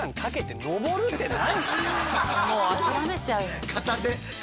もう諦めちゃうよね。